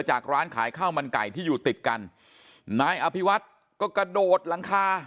ร้านขายข้าวมันไก่ที่อยู่ติดกันนายอภิวัฒน์ก็กระโดดหลังคา